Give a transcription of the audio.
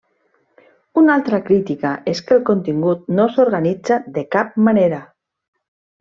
Una altra crítica és que el contingut no s'organitza de cap manera.